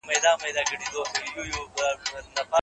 ټول انسانان مساوي حقونه لري.